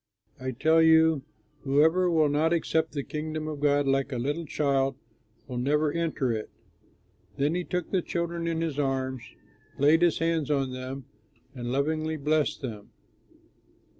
I tell you, whoever will not accept the Kingdom of God like a little child, will never enter it." Then he took the children in his arms, laid his hands on them, and lovingly blessed them.